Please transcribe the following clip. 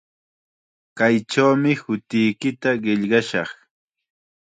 Kaychawmi hutiykita qillqashaq.